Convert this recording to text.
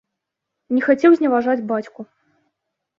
Не хацеў зневажаць бацьку.